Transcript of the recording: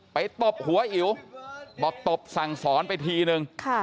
ตบหัวอิ๋วบอกตบสั่งสอนไปทีนึง